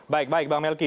baik baik bang melki